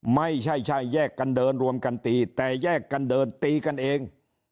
ไม่ใช่แยกกันเดินรวมกันตีแต่แยกกันเดินตีกันเอง